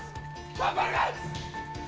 頑張ります！